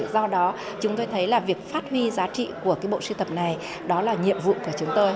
do đó chúng tôi thấy là việc phát huy giá trị của cái bộ siêu tập này đó là nhiệm vụ của chúng tôi